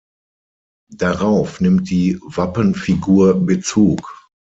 Darauf nimmt die Wappenfigur Bezug.